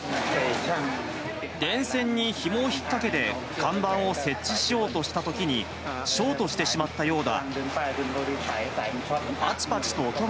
電線にひもを引っ掛けて、看板を設置しようとしたときに、ショートしてしまったようだ。